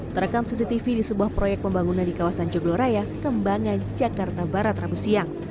terekam cctv di sebuah proyek pembangunan di kawasan jogloraya kembangan jakarta barat rabu siang